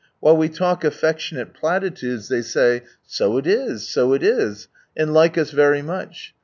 While we talk affectionate platitudes, they say, " So it is ! so it is !" and like us very much.